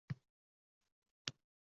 Har birida ibn Sino